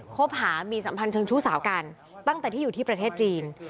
คบหามีสัมพันธ์เชิงชู้สาวกันตั้งแต่ที่อยู่ที่ประเทศจีน